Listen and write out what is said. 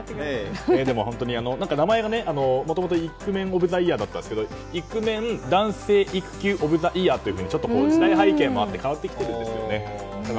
名前がもともとイクメンオブザイヤーだったんですけれどもイクメン／男性育休オブザイヤーというふうにちょっと時代背景もあって変わってきているんですよね。